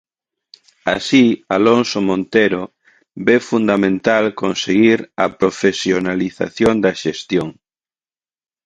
Así, Alonso Montero ve "fundamental" conseguir a "profesionalización da xestión".